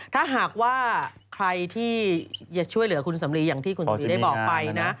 ถ้าหากว่าใครที่จะช่วยเหลือคุณสำลีอย่างที่คุณชุวิตได้บอกไปนะ